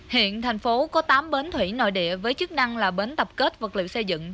hiện thành phố có tám bến thủy nội địa với chức năng là bến tập kết vật liệu xây dựng